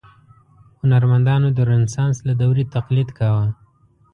هنرمندانو د رنسانس له دورې تقلید کاوه.